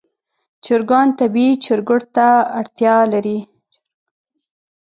چرګان طبیعي چرګړ ته اړتیا لري.